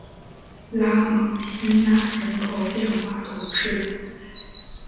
拉芒辛讷人口变化图示